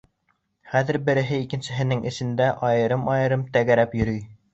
Һәр береһе икенсеһенең эсендә айырым-айырым тәгәрәп йөрөй.